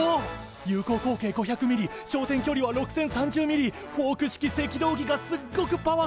有効口径５００ｍｍ焦点距離は６，０３０ｍｍフォーク式赤道儀がすっごくパワフルだ！